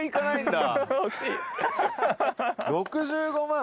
６５万？